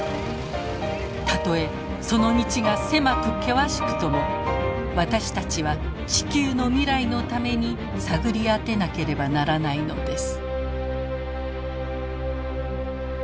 たとえその道が狭く険しくとも私たちは地球の未来のために探り当てなければならないのです。